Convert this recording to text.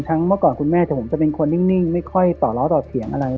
เมื่อก่อนคุณแม่แต่ผมจะเป็นคนนิ่งไม่ค่อยต่อล้อต่อเถียงอะไร